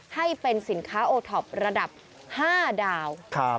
ให้เป็นสินค้าโอท็อประดับ๕ดาว